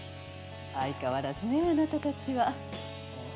相変わらずねあなたたちは。